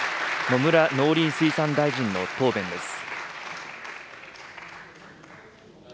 野村農林水産大臣の答弁です。